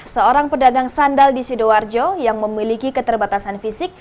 seorang pedagang sandal di sidoarjo yang memiliki keterbatasan fisik